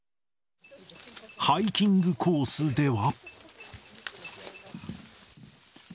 ハイキングコースでは。